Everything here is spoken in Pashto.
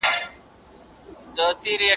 هغه سړی چې په باغ کې کار کوي زما تره دی.